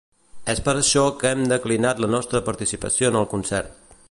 És per això que hem declinat la nostra participació en el concert.